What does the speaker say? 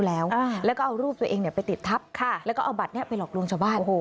แล้วก็เอารูปตัวเองไปติดทับแล้วก็เอาบัตรนี้ไปหลอกลวงชาวบ้าน